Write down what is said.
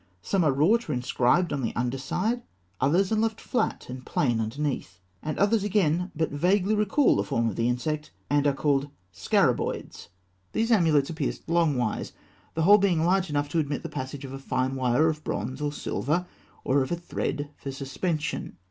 Some are wrought or inscribed on the underside; others are left flat and plain underneath; and others again but vaguely recall the form of the insect, and are called scarabaeoids. These amulets are pierced longwise, the hole being large enough to admit the passage of a fine wire of bronze or silver, or of a thread, for suspension.